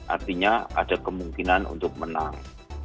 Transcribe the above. artinya ada kemungkinan untuk menang